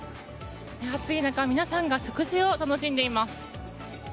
暑い中皆さんが食事を楽しんでいます。